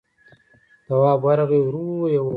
تواب ورغی، ورو يې وويل: